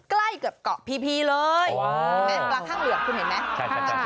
ใกล้เกือบเกาะพีเลยมาทางหลือกันคุณเห็นไหม